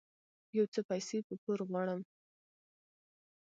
يو څه پيسې په پور غواړم